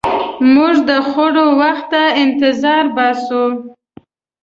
موږ د خوړو وخت ته انتظار باسو.